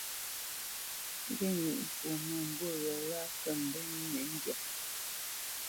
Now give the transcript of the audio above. Ŋge níʼ ŋkwó mə́mbû wě wa kə mbenə́ nʉ́ ndyâ.